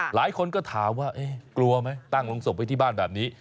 หลายคนก็ถามว่ากลัวไหมตั้งลงศพไว้ที่บ้านแบบนี้